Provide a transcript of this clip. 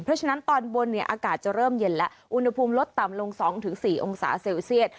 เพราะฉะนั้นตอนบนเนี่ยอากาศจะเริ่มเย็นแล้วอุณหภูมิลดต่ำลง๒๔องศาเซลเซียต